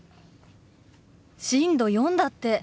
震度４だって。